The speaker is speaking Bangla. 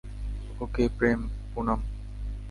ওকে, প্রেম, পুনাম।